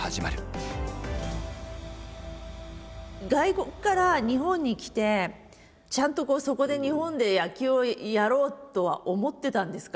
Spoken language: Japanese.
外国から日本に来てちゃんとそこで日本で野球をやろうとは思ってたんですか？